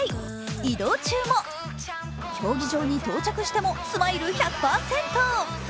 移動中も、競技場に到着しても、スマイル１００％！